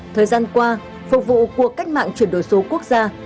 thời gian qua phục vụ cuộc cách mạng chuyển đổi số quốc gia